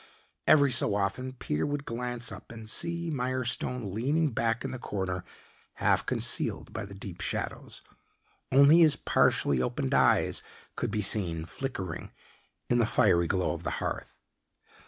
Every so often Peter would glance up and see Mirestone leaning back in the corner half concealed by the deep shadows only his partially opened eyes could be seen flickering in the fiery glow of the hearth.